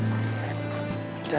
saya yang berkumpul dengan nailah